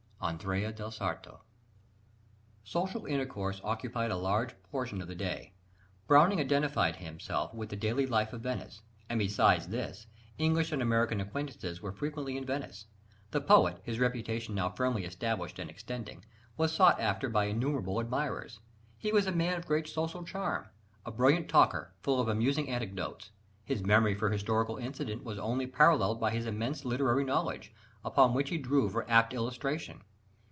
(Andrea del Sarto.) Social intercourse occupied a large portion of the day. Browning identified himself with the daily life of Venice, and, besides this, English and American acquaintances were frequently in Venice: the poet, his reputation now firmly established and extending, was sought after by innumerable admirers. He was a man of great social charm, a brilliant talker, full of amusing anecdotes, his memory for historical incident was only paralleled by his immense literary knowledge, upon which he drew for apt illustration.